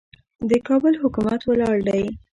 د کابل حکومت ولاړ دی.